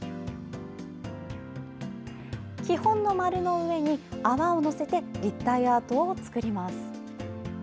基本の丸の上に、泡を載せて立体アートを作ります。